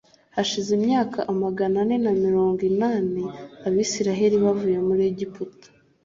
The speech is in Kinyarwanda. Hashize imyaka magana ane na mirongo inani Abisirayeli bavuye muri Egiputa